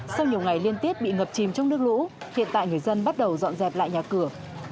sau nhiều ngày liên tiếp bị ngập chìm trong nước lũ hiện tại người dân bắt đầu dọn dẹp lại nhà cửa